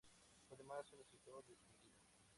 Fue además un escritor distinguido.